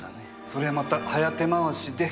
そりゃまた早手回しで。